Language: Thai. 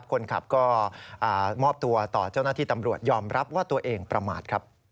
คนขับก็มอบตัวต่อเจ้าหน้าที่ตำรวจยอมรับว่าตัวเองประมาท